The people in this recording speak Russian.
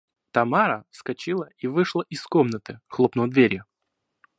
Тамара вскочила и вышла из комнаты, хлопнув дверью.